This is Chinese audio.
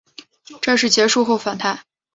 战事结束后返台。